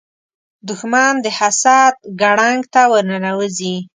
دښمن د حسد ګړنګ ته ورننوځي